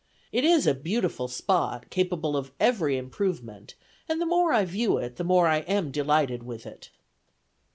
It is a beautiful spot, capable of every improvement, and, the more I view it, the more I am delighted with it."